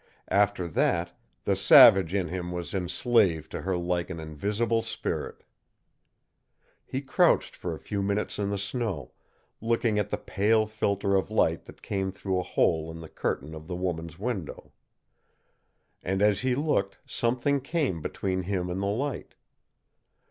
After that, the savage in him was enslaved to her like an invisible spirit. He crouched for a few minutes in the snow, looking at the pale filter of light that came through a hole in the curtain of the woman's window; and as he looked something came between him and the light.